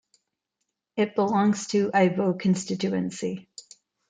It belongs to Aiwo Constituency.